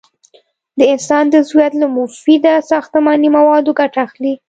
د انسان د عضویت له مفیده ساختماني موادو ګټه اخلي.